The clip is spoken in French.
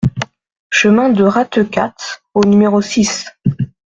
Chemin de Ratequats au numéro six